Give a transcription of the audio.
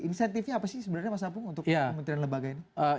insentifnya apa sih sebenarnya mas apung untuk kementerian lembaga ini